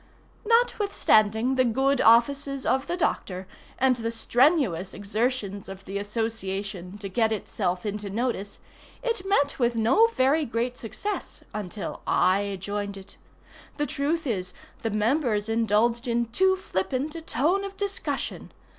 Notwithstanding the good offices of the Doctor, and the strenuous exertions of the association to get itself into notice, it met with no very great success until I joined it. The truth is, the members indulged in too flippant a tone of discussion.